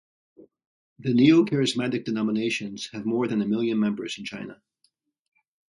The neo-charismatic denominations have more than a million members in China.